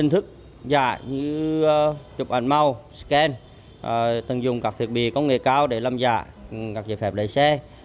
từng dùng các thiết bị công nghệ cao để làm giả giấy phép lái xe